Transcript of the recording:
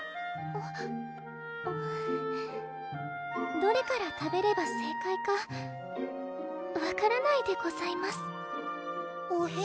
あっどれから食べれば正解か分からないでございますほへ？